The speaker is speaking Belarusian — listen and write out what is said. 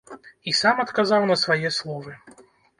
І сам адказаў на свае словы.